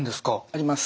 あります。